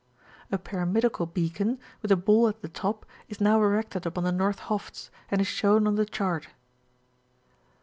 A pyramidical beacon, with a ball at the top, is now erected upon the North Hofts, and is shown on the chart.